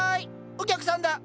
お客さんだ。